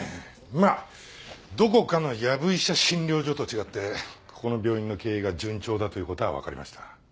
まあどこかのやぶ医者診療所と違ってここの病院の経営が順調だという事はわかりました。